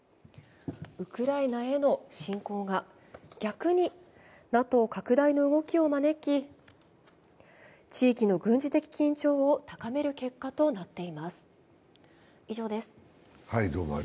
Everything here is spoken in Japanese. ウクライナへの侵攻が、逆にＮＡＴＯ拡大の動きを招き、地域の軍事的緊張を高める結果となっています。